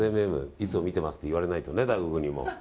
いつも見てますって言われないとね。